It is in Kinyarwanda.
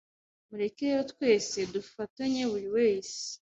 mureke rero twese dufetenye buri wese